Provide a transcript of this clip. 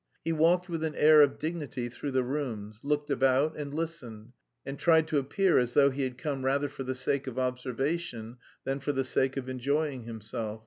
He walked with an air of dignity through the rooms, looked about, and listened, and tried to appear as though he had come rather for the sake of observation than for the sake of enjoying himself....